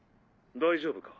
大丈夫か？